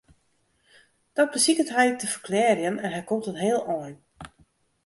Dat besiket hy te ferklearjen en hy komt in heel ein.